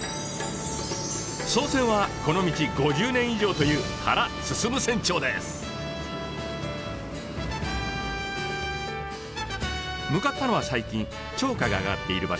操船はこの道５０年以上という向かったのは最近釣果が上がっている場所。